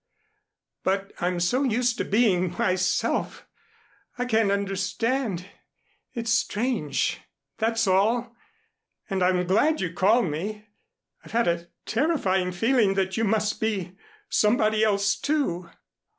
But I'm so used to being myself. I can't understand. It's strange that's all. And I'm glad you called me. I've had a terrifying feeling that you must be somebody else, too."